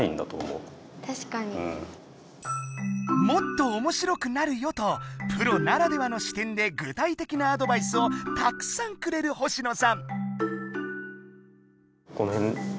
もっとおもしろくなるよとプロならではのし点で具体的なアドバイスをたくさんくれる星野さん。